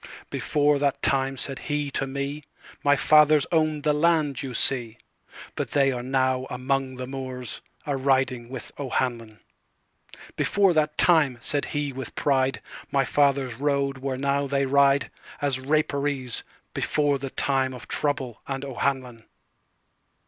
"Before that time," said he to me,"My fathers owned the land you see; But they are now among the moorsA riding with O'Hanlon.""Before that time," said he with pride,"My fathers rode where now they rideAs Rapparees, before the timeOf trouble and O'Hanlon."